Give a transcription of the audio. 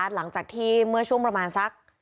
หลังจากที่เมื่อช่วงประมาณสัก